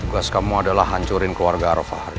tugas kamu adalah hancurin keluarga arof ahri